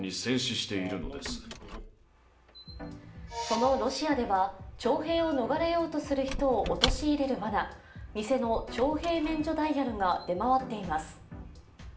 そのロシアでは、徴兵を逃れようとする人を陥れるわな、偽の徴兵免除ダイヤルが出回っています。